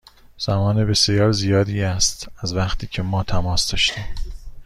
زمان بسیار زیادی است از وقتی که ما تماس داشتیم.